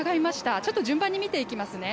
ちょっと順番に見ていきますね。